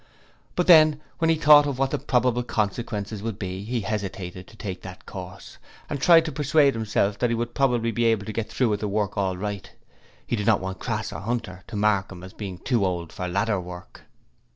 But then, when he thought of what the probable consequences would be, he hesitated to take that course, and tried to persuade himself that he would be able to get through with the work all right. He did not want Crass or Hunter to mark him as being too old for ladder work.